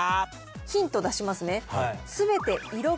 ヒント出しますね。